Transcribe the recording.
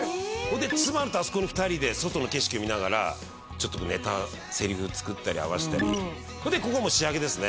詰まるとあそこに２人で外の景色を見ながらネタセリフつくったり合わせたりそれでここはもう仕上げですね